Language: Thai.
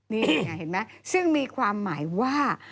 นี่ไงเห็นไหมซึ่งมีความหมายว่า